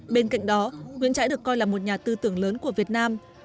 bên cạnh đó nguyễn trãi được coi là một nhà tư tưởng lớn của việt nam